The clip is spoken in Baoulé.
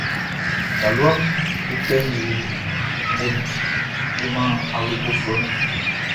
Taluaʼm be kpɛ nzue gboʼn nun be man awlobofuɛ mun.